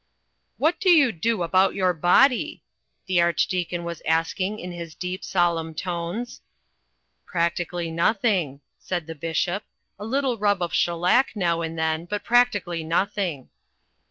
"What do you do about your body?" the Archdeacon was asking in his deep, solemn tones. "Practically nothing," said the Bishop. "A little rub of shellac now and then, but practically nothing."